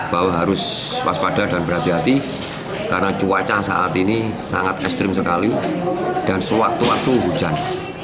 bahwa harus waspada dan berhati hati karena cuaca saat ini sangat ekstrim sekali dan sewaktu waktu hujan